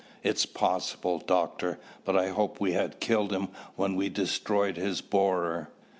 "It's possible, Doctor, but I hoped we had killed him when we destroyed his borer."